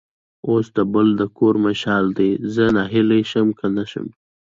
اوس د بل د کور مشال دی؛ زه ناهیلی شم که نه شم.